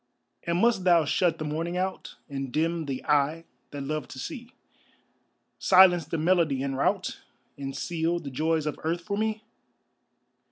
And must thou shut the morning out, And dim the eye that loved to see; Silence the melody and rout, And seal the joys of earth for me?